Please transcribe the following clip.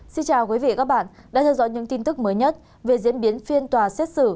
xin chào quý vị và các bạn đã theo dõi những tin tức mới nhất về diễn biến phiên tòa xét xử